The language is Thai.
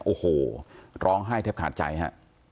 โอ้โหร้องไห้แทบขาดใจฮะ